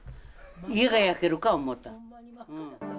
家が焼けるか思った。